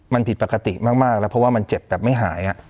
มันผิดปกติมากแล้วเพราะว่ามันเจ็บแบบไม่หาย